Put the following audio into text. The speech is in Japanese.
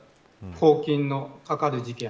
公金のかかる事件